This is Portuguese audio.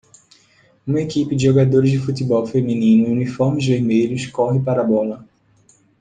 Uma equipe de jogadores de futebol feminino em uniformes vermelhos corre para a bola.